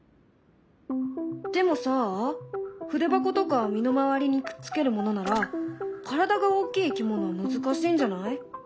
でもさ筆箱とか身の回りにくっつけるものなら体が大きいいきものは難しいんじゃない？